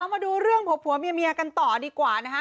มาดูเรื่องผัวเมียกันต่อดีกว่านะคะ